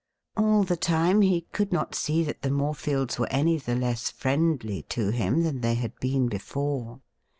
All the time he could not see that the Morefields were any the less friendly to him than they had been before.